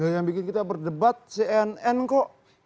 yang bikin kita berdebat cnn kok